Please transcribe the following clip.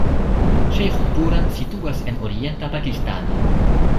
Ŝejĥupura situas en orienta Pakistano.